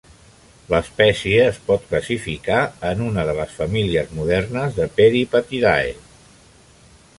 L'espècie es pot classificar en una de les famílies modernes de Peripatidae.